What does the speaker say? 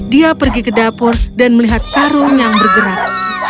dia pergi ke dapur dan melihat karung yang bergerak